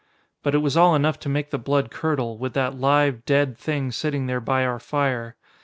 But it was all enough to make the blood curdle, with that live, dead thing sitting there by our fire.